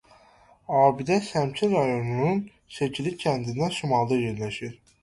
Abidə Şəmkir rayonunun Keçili kəndindən şimalda yerləşir.